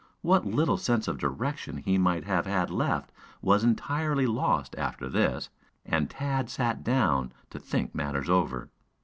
What little sense of direction he might have had left was entirely lost after this, and Tad sat down to think matters over.